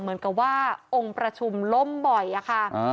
เหมือนกับว่าองค์ประชุมล่มบ่อยอะค่ะ